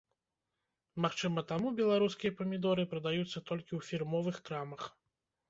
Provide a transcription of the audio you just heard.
Магчыма таму беларускія памідоры прадаюцца толькі ў фірмовых крамах.